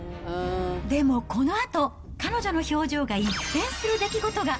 でもこのあと、彼女の表情が一変する出来事が。